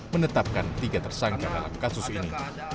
menetapkan tiga tersangka dalam kasus ini